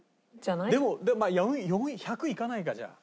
でも１００いかないかじゃあ。